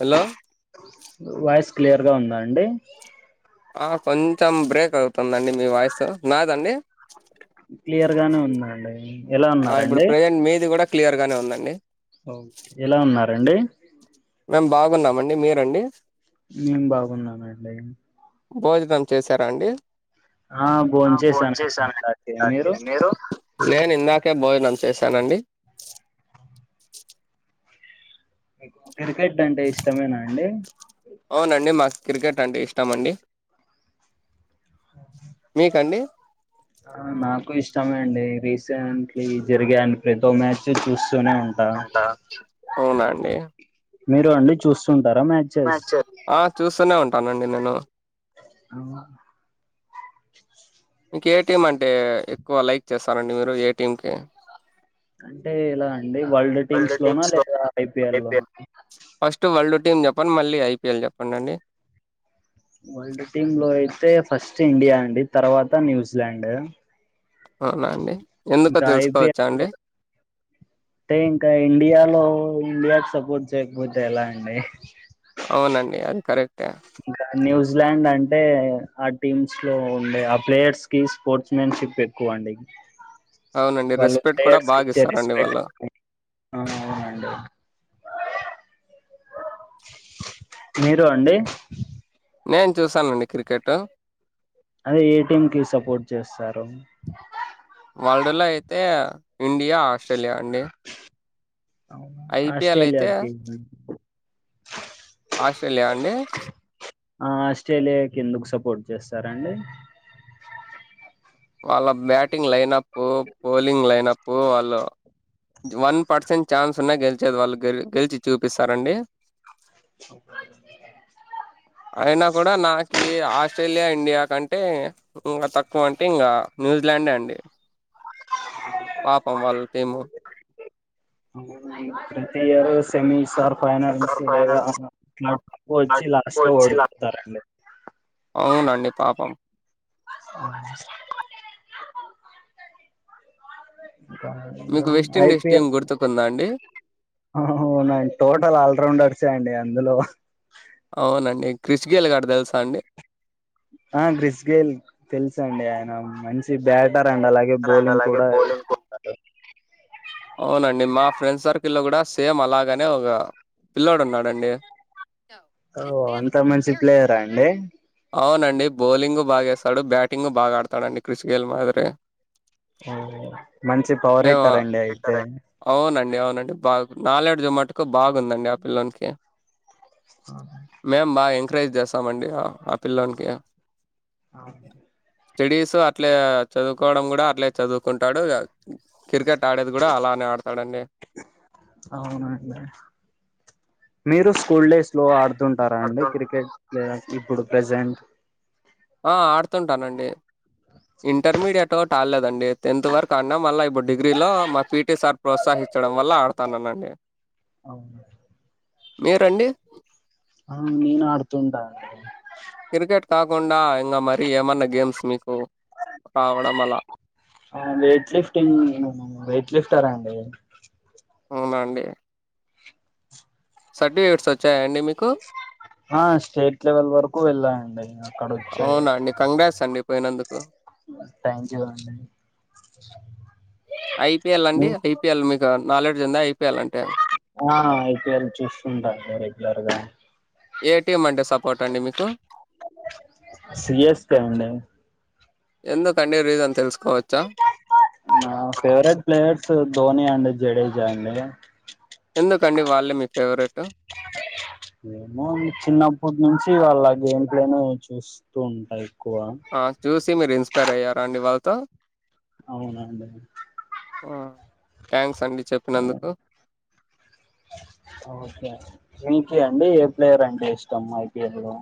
Hello voice క్లియర్గా ఉందా అండి కొంచెం బ్రేక్ అవుతుందండి మీ వాయిస్ నాదండి క్లియర్ గానే ఉందండి ఎలా ఆ ఇప్పుడు ఉన్నండి ప్రజెంట్ మీది కూడా క్లియర్ గానే ఉందండి ఓ ఎలా ఉన్నారండి మేము బాగున్నామండి మీరండి నేం బాగున్నానండి భోజనం చేసారాండి ఆ భోన్ బ చేసానండి ఇందాకే మీరు న నిందక బ చేశానండి మీకు క్రికెట్ అంటే ఇష్టమేనా అండి అవునండి మాకు క్రికెట్ అంటే ఇష్టమ అండి మీకండి ఆ నాకు ఇష్టమే అండి రీసెంట్లీ జరిగాడి ప్రదో మ్యాచ్ చూ సునే ఉంటా అంతా అవునా అండి మీరు అండి చూస్తుంటారా మ్యాచెస్ నండి నేను అమ ఇంక ఏటిఎం అంటే ఎక్కువ లైక్ చేస్తారండి మీరు ఏటీఎంకి అంటే ఎలా అండి వరల్డ్ టీమ్స్ లోనా లేదా ఐపిఎల్ లోనా టీం చెప్పండి మళ్ళీ ఐపిఎల్ చెప్పండిండి వరల్డ్ టీమ్ లో అయితే ఫస్ట్ ఇండియా అండి తర్వాత న్యూజిలాండ్ అవునా అండి ఎందుకు ఇంకా తెలుసుకోవచ్చా ఐపిఎల్ లో అండి అంటే ఇంకా ఇండియాలో ఇండియాకి సపోర్ట్ చేయకపోతే ఎలా అండి అవునండి అది కరెక్టే ఇంకా న్యూజిలాండ్ అంటే ఆ టీమ్స్ లో ఉండే ఆ ప్లేయర్స్ కి స్పోర్ట్స్ మ్యాన్ షిప్ ఎక్కుంట అవునండి వాళ్ళు రెస్పెక్ట్ కూడా ప్లేయర్స్ క బాగా ఇచ్చే ఇస్తారండి రెస్పెక్ట్ వాళ్ళు. అవునండి మీరు అండి నేను చూసానండి క్రికెట్ అ ఏ టీం కి సపోర్ట్ చేస్తారు వరల్డ్ లో అయితే ఇండియా ఆస్ట్రేలియా అండి అవును ఐపీఎల్ అయితే ఆస్ట్రేలియాకి ఆస్ట్రేలియా అండి ఆ ఆస్ట్రేలియాకి ఎందుకు సపోర్ట్ చేస్తారండి వాళ్ళ బ్యాటింగ్ లైనప్ బౌలింగ్ లైనప్ వాళ్ళు వన్ పర్సెంట్ ఛాన్స్ ఉన్నా గెలిచేది వాళ్ళు గెలిచి చూపిస్తారండి అయినా కూడా నాకి ఆస్ట్రేలియా ఇండియా కంటే ఇంకా తక్కువ అంటే ఇంకా న్యూజి లాండే అండి పాపం వాళ్ళ టీము ప్రతి ఇయర్ సెమి సార్ ఫైనాన్స్ లేదా అట్లా వచ్చి లాస్ట్ లో వచ్చిలా ఓడిపోతారండి అవునండి పాపం మీకు అ వెస్టిండీస్ టీం ఐపిఎల్ గుర్తుకుందా అండి అ అవునండి టోటల్ ఆల్రౌండర్స్యే అండి అందులో అవునండి క్రిష్ గేలు గాడు తెలుసా అండి ఆ గ్రిస్ గేల్ తెలిసిండి ఆయన మంచి బ్యాట్ ఇంటారండి అలాగే రండి బౌలింగ్ అలాగే కూడా బౌలింగ్ కు వేస్తుంటారు అవునండి మా ఫ్రెండ్ సర్కిల్లో కూడా సేమ్ అలాగనే ఒక పిల్లాడు ఉన్నాడండి ఓ అంత మంచి ప్లేయరా అండి అవునండి బౌలింగు బాగా చేస్తాడు బ్యాటింగు బాగా ఆడతాడుండి క్రిష్ గేల్ మాదిరి ఓ మంచి పవర్ ఏ హిట్టర్ అండి అయితే అవునండి అవునండి బాగా నాలెడ్జుమటుకు బాగుందండి ఆ పిల్లోనికి మేం బాగా ఎంకరేజ్ చేస్తామండి ఆ పిల్లోనికి ఆ అండి స్టడీస్ అట్లే చదువుకోవడం కూడా అట్లే చదువుకుంటాడు క్రికెట్ ఆడేది కూడా అలానే ఆడతాడండి అవునండి మీరు స్కూల్ డేస్ లో ఆడుతుంటారా అండి ఆడుతున్ క్రికెట్ ప్ర్ ఇప్పుడు ప్రజెంట్ ఆ ఆడుతుంటానండి ఇంటర్మీడియట్ ఒకటి ఆడలేదు అండి టెన్త్ వరకు ఆడిన్నా మళ్ళా ఇప్పుడు డిగ్రీలో మా పి టి సార్ ప్రోత్సహించడం వల్ల ఆడతాననండి ఆ నీను ఆడుతుంట క్రికెట్ కాకుండా ఇంకా మరీ ఏమన్నా గేమ్స్ మిక్ వెయిట్ లిఫ్టింగ్ వెయిట్ లిఫ్టర్ అండి అవున అండి సర్టిఫికేట్స్ వచ్చాయా అండి మీకు ఆ స్టేట్ లెవెల్ వరకు వెళ్ళనండి అవునా అండి కంగ్రాట్స్ అండి పోయినందుకు థ్యాంక్ యూ అండి ఐపీఎల్ అండి ఐపిఎల్ మీకు నాలెడ్జ్ ఉందా ఐపీ ఆ ఐపీఎల్ చూస్తుంటా అండి రెగ్యులర్గా ఏ టీం అంటే సపోర్ట్ అండి మీకు సి ఎస్ కే అండి ఎందుకండి రీజన్ తెల్సు నా favourite players Dhoni and Jadeja అండి ఎందుకండి వాళ్ళే మీ ఫేవరెట్ ఏమో అండి చిన్నప్పటి నుంచి వాళ్ళ గేమ్ ప్లే నే చూస్తూ ఉంటా ఎక్కువ ఆ చూసి మీరు ఇన్స్పైర్ అయ్యారా అండి వాళ్ళతో అవునండి థ్యాంక్స్ అండి చెప్పినందుకు ఒకే మీకే అండి ఏ ప్లేయర్ అంటే ఇష్టం ఐపిఎల్ లో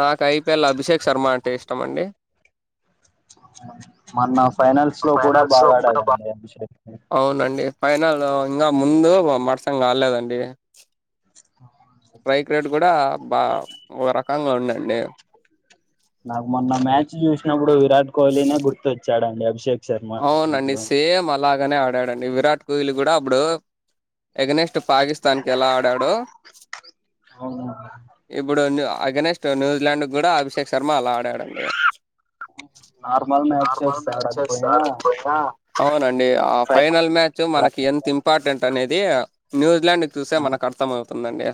నాకు ఐపిఎల్ అభిషేక్ శర్మ అంటే ఇష్టం అండి మొన్న ఫైనల్స్ ఆ లో కూడా ఫైనల్స్‌లో బాగా కూడా బా ఆడాడండి అభిషేక్ అవునండి. ఫైనల్ ఇంకా ముందు మట్సం కాలేదండి రైక్ రేట్ కూడా బా ఒక రకంగా ఉండండి నాకు మొన్న మ్యాచ్ చూసినప్పుడు విరాట్ కోహ్లీనే గుర్తుచ్చాడండి అభిషేక్ శర్మ అవునండి అప్పుడు సేమ్ అలాగనే ఆడాడండి విరాట్ కోహ్లీ కూడా అప్పుడు ఎగనెస్ట్ పాకిస్తాన్ కి ఎలా ఆడాడో అవునా ఇప్పుడు న్యూ అగెనెస్ట్ న్యూజిలాండ్ కూడా అభిషేక్ శర్మ అలా ఆడాడండి నార్మల్ మ్యాచ్ నార్మల్ చేస్తా మ్యాచెస్ ఆడకపోయి అవునండి ఆ ఫై ఫైనల్ మ్యాచ్ మనకి ఎంత ఇంపార్టెంట్ అనేది ఇది న్యూజిలాండ్ చూసే మనకు అర్థం అవుతుందండి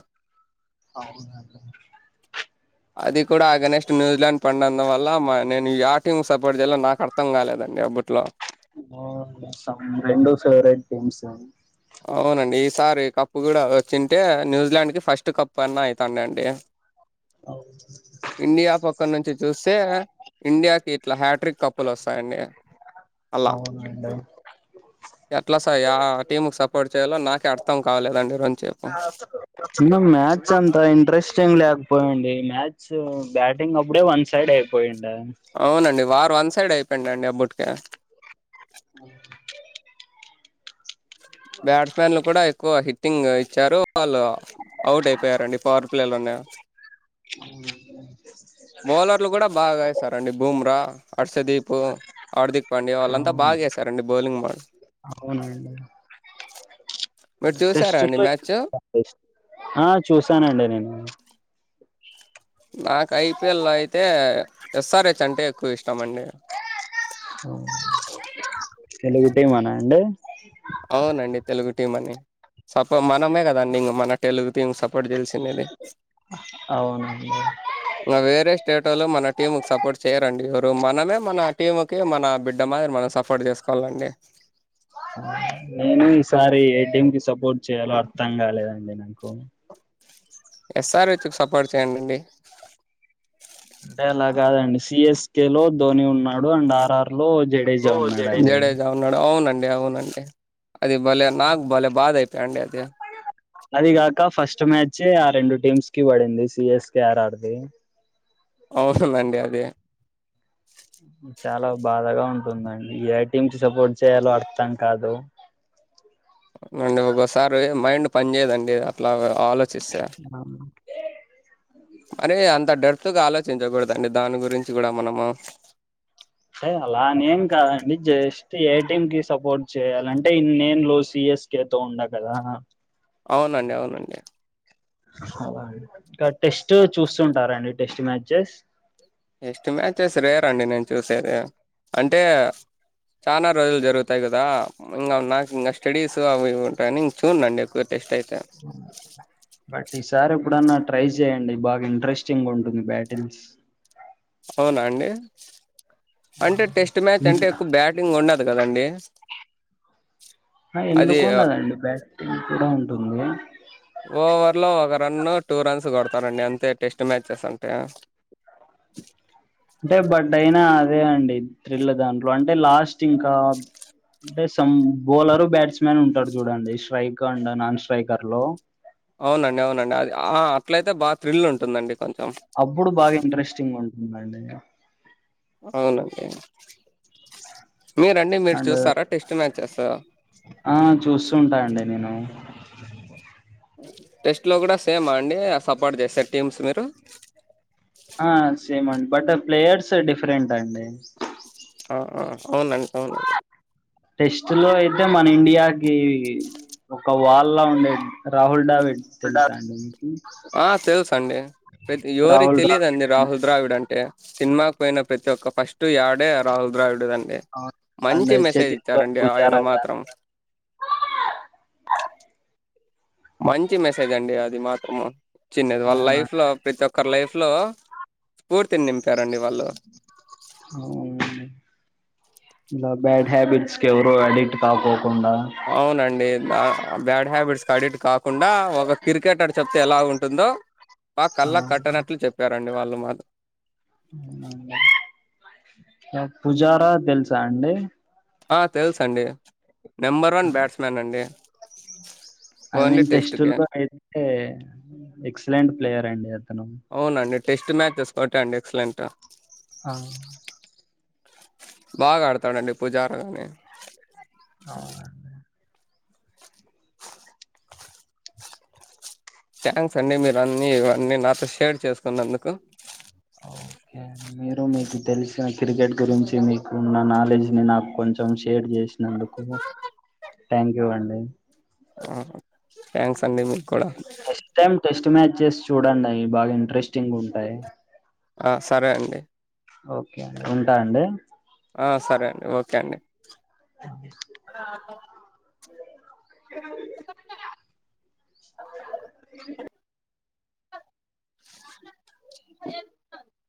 అవును అది కూడా అగెస్ట్ న్యూజిలాండ్ పండు వల్ల మా నేను యా టీం సపోర్ట్ చేయలో నాకు అర్థం కాలేదండి అపుడు ఆ సం రెండు ఫేవరేట్ గేమ్స్ అవునండి ఈసారి కప్పు కూడా వచ్చింటే న్యూజిలాండ్కి ఫస్ట్ కప్పు అన్నా అవుతాండండి అఓ ఇండియా పక్క నుంచి చూస్తే ఇండియాకి ఇట్లా హ్యాట్రిక్ కప్పులు వస్తాయండి అలా అవునుండి ఎట్లా స ఆ టీంకు సపోర్ట్ చేయాలో నాకే అర్థం కాలేదండి. రొంచేపు మ్యాథ్స్ చిన్న అంత ఇంట్రెస్టింగ్ లేకపోయిడి మ్యాచ్ బ్యాటింగ్ అప్పుడే వన్ సైడ్ అయిపోయింది అవునండి వార్ వన్ సైడ్ అయిపోయిండ అండి ఆ బుట్క [inaudible] బ్యాట్స్ మన్లు కూడా ఎక్కువ హిట్టింగ్ ఇచ్చారు వాళ్ళు అవుట్ అయిపోయారండి పర్ పిలలు ఉనే [unintelligible] బౌలర్లు కూడా బాగా వేసరండి బూమ్రా హర్షదీప్ హార్దిక్ పాండ్యా వాళ్ళంతా అవును బాగా చేసారండి బౌలింగ్ బళ అవునండి చె టెస్ట్ ఆ చూసానండి నేను నాకు ఐపిఎల్ అయితే ఎస్ఆర్ హెచ్ అంటే ఎక్కువ ఇష్టం అండి [unintelligible] అవునండి తెలుగు టీం అని సపో మనమే కదండి ఇం మన తెలుగు టీమ్ సపోర్ట్ చేసి కునేది అ వేరే స్టేట్ ల్లు మన టీం కి సపోర్ట్ చేయరండి ఎవరు మనమే మన టీంకి మన నా బిడ్డ మాదిరి మనం సపోర్ట్ చేసుకోవాలిండి. నేను ఈసారి ఏటీం కి సపోర్ట్ చేయాలో అర్థం కాలేదండి నాకు ఎస్ఆర్ హెచ్ కి సపోర్ట్ చేయండిండి అంటే అలా కాదండి సిఎస్కే లో ధోని ఉన్నాడు అండ్ ఆర్ ఆర్ జడేజ ఉన్నాడండీ అవునండి అవునండీ అది భలేె నాకు భలేె బాధ అయిపోయాయిండి అది వచ్చే ఆ రెండు టీమ్స్ కి పడింది సిఎస్ కి ఆర్ ఆర్ది అవుతుందండి అదే చాలా బాధగా ఉంటుందండి ఏ టీం కి సపోర్ట్ చేయాలో అర్థం కాదు అండి ఒకసారి మైండ్ పని చేయదండి అట్లా ఆలోచిస్తేయ్ ఆ, అరేయ్ అంత అంత డర్త్గా ఆలోచించకూడదండి దాని గురించి కూడా మనము అంటే అలా అనీ ఏం కాదు అండి జస్ట్ ఏ టీం కి సపోర్ట్ చేయాలంటే ఇనేడ్లు సిఎస్కే తో ఉండ కదా అవునండి అవునండి అ ఇంకా టెస్ట్ చూస్తుంటారండి టెస్ట్ మ్యాచెస్ టెస్ట్ మ్యాచెస్ రెరే అండీ నేను చూసేది అంటే చాలా రోజులు జరుగుతాయి కదా ఇంకా నాకు ఇంకా స్టడీస్ అవి ఉంటాయని చునండి టెస్ట్ అయితే సార్ ఎప్పుడన్నా ట్రై చేయండి బాగా ఇంట్రెస్టింగ్ గా ఉంటుంది బ్యాటింగ్స్ అవునా అండి అంటే టెస్ట్ మ్యాచ్ అంటే ఇంత ఎక్కువ బ్యాటింగ్ ఉండదు ఉండ్ కదండి అది ఎందుకుండదండి బ్యాట్టింగ్ కూడా ఉంటుంది ఫ ఓవర్లో ఒక రన్ను టూ రన్స్ కొడతారండి అంతే టెస్ట్ మ్యాచెస్ అంటే [inaudible] అంటే బట్ అయినా అదే అండి త్రిల్ దాంట్లో అంటే లాస్ట్ ఇంకా అంటే సం బౌలరు బ్యాట్స్ మన్ ఉంటారు చూడండి స్ట్రైక్ అ నాన్ స్ట్రైకర్ లో అవునండి అవునండి అది అట్ల అయితే బాగా థ్రిల్ ఉంటుందండి కొంచెం అప్పుడు బాగా ఇంట్రెస్టింగ్ ఉంటుందిండి అవునండి మీరండి మీరు అండ్ చూస్తారా టెస్ట్ మ్యాచెస్ ఆ చూస్తూ ఉంటా అండి నేను టెస్ట్ లో కూడా సేమ్ అండి సపోర్ట్ చేసారు టీమ్స్ మీరు ఆ సేమ్ అండి బట్ ప్లేయర్స్ డిఫరెంట్ అండి ఆ అవునండి అవునండి టెస్ట్ లో అయితే మన ఇండియాకి ఒక వాళ్ళలా ఉండేది రాహుల్ డావి ఆ తెలుస అండి ప్రతి ఎవరికి రాహుల్ తెలియదండి ద్రావిడ్ రాహుల్ ద్రావిడ్ అంటే సినిమాకి పోయిన ప్రతి ఒక్క ఫస్ట్ డే రాహుల్ ద్రావిడు అ అవును. అండ్ మంచి మెసేజ్ చతీశ్వర్ ఇచ్చారండి ఆయన పుజారా గాని మాత్రం [inaudible] మంచి మెసేజ్ అండి అది మాత్రం చిన్నది వాళ్ళ లైఫ్ అవునండి. లో ప్రతి ఒక్క ఒకరీ లైఫ్ లో స్ఫూర్తిని నింపారండి వాళ్ళు ఇ బ్యాడ్ హ్యాబిట్స్ కీ ఎవరు అడిట్ కాకో అవునండి బ్యాడ్ హ్యాబిట్స్ కడట్ కాకుండా ఒక క్రికెటర్ చెప్తే ఎలా ఉంటుందో ఆ కళ్ళ కట్టనట్లు చెప్పారు రండి వాళ్ళు మాం పుజారా తెలుసా అండి ఆ తెలుస అండి నెంబర్ వన్ బ్యాట్స్ మన్ అండి ఐ ఓన్లీ మీన్ టెస్ట్ కే టెస్ట్లో అయితేతే అవునండి టెస్ట్ మ్యాచెస్ కొట్టాండి ఎక్సలెంట్ ఆ బాగా ఆడతాడండి పూజారుగాని అవు థ్యాంక్స్ అండి మీరు అన్నీ ఇవన్నీ నాతో షేర్ చేసుకున్నందుకు ఓకే అం మీరు మీకు తెలిసిన క్రికెట్ గురించి మీకు ఉన్న నాలెడ్జ్ ని నాకు కొంచెం షేర్ చేసినందుకు థ్యాంక్ యూ అండి థ్యాంక్స్ అండి మీ నెక్స్ట్ టైమ్ టెస్ట్ మ్యాచెస్ చూడండి అవి బాగా ఇంట్రెస్టింగ్ ఉంటాయి సరే అండి ఓకే అండి ఉంటాండి ఆ సరే అండి ఓకే అండి హ